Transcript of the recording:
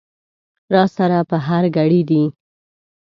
را سره په هر ګړي دي